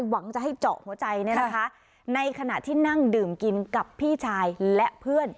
หวังจะให้เจาะหัวใจเนี่ยนะคะในขณะที่นั่งดื่มกินกับพี่ชายและเพื่อน